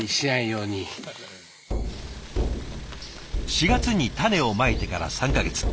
４月に種をまいてから３か月。